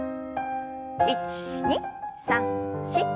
１２３４。